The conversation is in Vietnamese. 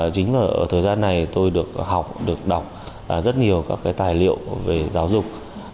chính là ở thời gian này tôi được học được đọc rất nhiều các cái tài liệu về giáo dục